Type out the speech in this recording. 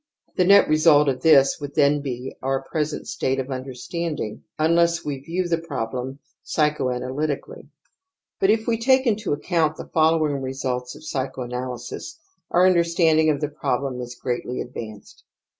The net result of this would then be our present state of understanding un less we view the problem psychoanalytically. But if we take into account the following re sults of psychoanalysis, our understanding of the 118 TOTEM AND TABOO .problem is greatly advanced.